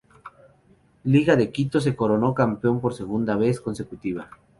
Liga de Quito se coronó campeón por segunda vez consecutiva.